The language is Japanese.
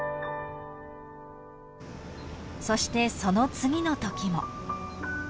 ［そしてその次のときも］